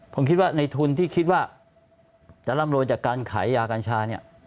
ผมคิดว่าในทุนที่คิดว่าจะร่ำรวยจากการขายยากัญชาเนี่ย